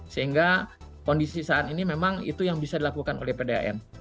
sehingga kondisi saat ini memang itu yang bisa dilakukan oleh pdam